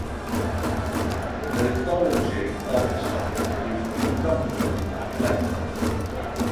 The lithology of the site is predominantly clay.